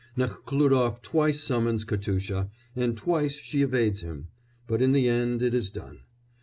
Nekhlúdof twice summons Katusha, and twice she evades him, but in the end it is done.